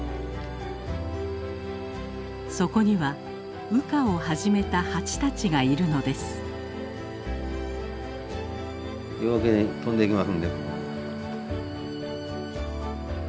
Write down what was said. そこには羽化を始めた蜂たちがいるのです。